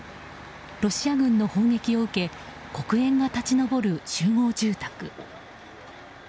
ロシア軍の砲撃を受け黒煙が立ち上る集合住宅。